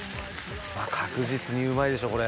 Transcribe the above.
確実にうまいでしょこれ。